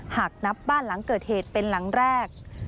หากนับบ้านหลังเกิดเหตุเป็นหลังแรก